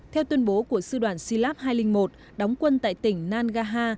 theo tuyên bố của sư đoàn silap hai trăm linh một đóng quân tại tỉnh nangaha